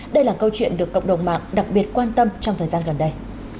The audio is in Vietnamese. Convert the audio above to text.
đây là câu chuyện được cộng đồng mạng đặc biệt quan tâm trong thời gian gần đây